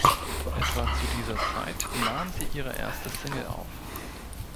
Etwa zu dieser Zeit nahm sie ihre erste Single auf.